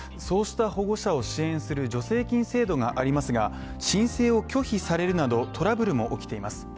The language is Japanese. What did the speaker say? そうした保護者を支援する助成金制度がありますが申請を拒否されるなどトラブルも起きています。